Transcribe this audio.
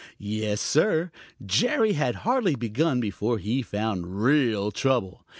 Yes, Sir, Jerry had hardly begun before he found real trouble.